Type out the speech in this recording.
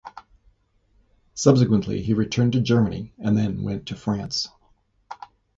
Subsequently, he returned to Germany, and then went to France.